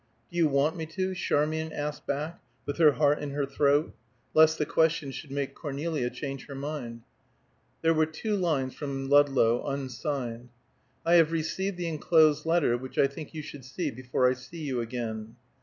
"Do you want me to?" Charmian asked back, with her heart in her throat, lest the question should make Cornelia change her mind. There were two lines from Ludlow, unsigned: "I have received the enclosed letter, which I think you should see before I see you again."